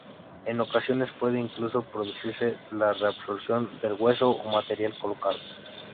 En ocasiones puede incluso producirse la reabsorción del hueso o material colocado.